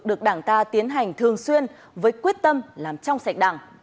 được đảng ta tiến hành thường xuyên với quyết tâm làm trong sạch đảng